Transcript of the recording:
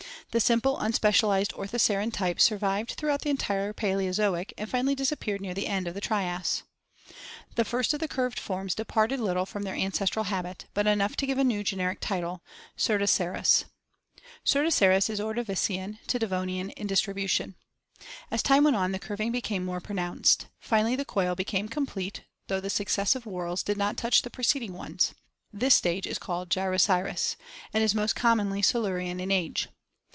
The simple unspecialized orthoceran type survived throughout the entire Paleozoic, and finally disappeared near the end of the Trias. CEPHALOPODS 431 The first of the curved forms departed little from their ancestral habit, but enough to give a new generic title, Cyrloceras (Fig. 108). Cyrtoceras is Ordovician to Devonian in dis I tribution. As time went on the curving became more pronounced. Finally the coil became complete, though the successive whorls did not touch the preceding ones; this stage is called Gyroceras (Fig. 100) and is most commonly Silurian in age.